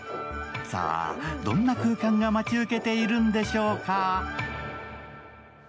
さあ、どんな空間が待ち受けているんでしょうか？